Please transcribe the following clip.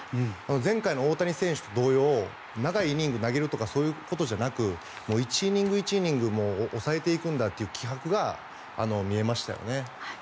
前回の大谷選手と同様長いイニングを投げるとかそういうことじゃなく１イニング、１イニング抑えていくんだという気迫が見えましたよね。